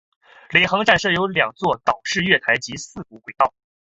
领航站设有两座岛式月台及四股轨道。